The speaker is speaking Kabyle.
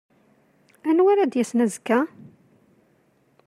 Anwa ara d-yasen azekka?